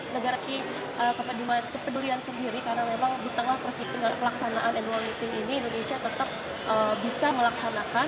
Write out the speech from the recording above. negara kepedulian sendiri karena memang di tengah pelaksanaan annual meeting ini indonesia tetap bisa melaksanakan